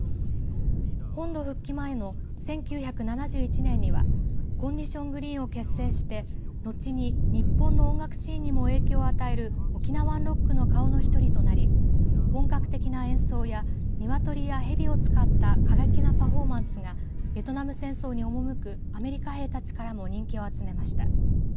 本土復帰前の１９７１年にはコンディション・グリーンを結成してのちに日本の音楽シーンにも影響を与えるオキナワン・ロックの顔の一人となり本格的な演奏や鶏や蛇を使った過激なパフォーマンスがベトナム戦争に赴くアメリカ兵たちからも人気を集めました。